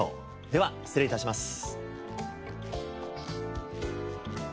では失礼いたします。